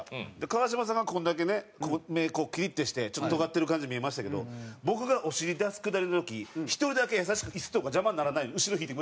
川島さんがこれだけね目こうキリッてしてちょっととがってる感じに見えましたけど僕がお尻出すくだりの時１人だけ優しく椅子とか邪魔にならないように後ろに引いてくれてましたね。